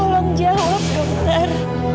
tolong jawab dokter